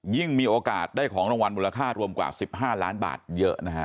มีโอกาสได้ของรางวัลมูลค่ารวมกว่า๑๕ล้านบาทเยอะนะฮะ